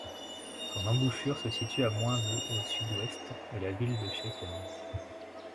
Son embouchure se situe à moins de au sud-ouest de la ville de Chaitén.